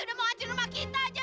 udah mau ajar rumah kita aja